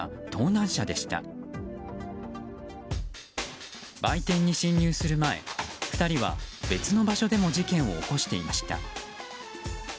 売店に侵入する前２人は別の場所でも事件を起こしていました。